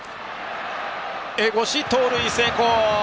江越、盗塁成功！